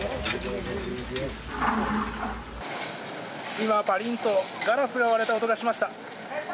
今、パリンとガラスが割れた音がしました。